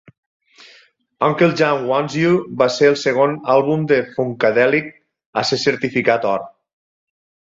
Uncle Jam Wants You va ser el segon àlbum de Funkadelic a ser certificat or.